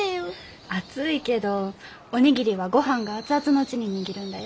熱いけどお握りはごはんが熱々のうちに握るんだよ。